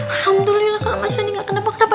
alhamdulillah kalau mas randy enggak kenapa kenapa